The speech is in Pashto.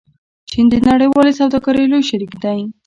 چین د نړیوالې سوداګرۍ لوی شریک دی.